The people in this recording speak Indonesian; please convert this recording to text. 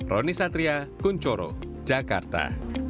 roni satria kunchoro jakarta